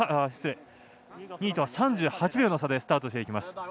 ２位とは３８秒の差でスタートしていきます。